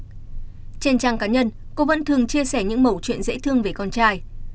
trên trang cá nhân cô vẫn thường chia sẻ những mẫu chuyện dễ thương về con trai